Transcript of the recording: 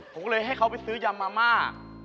ผมก็เลยให้เขาไปซื้อยำมาม่า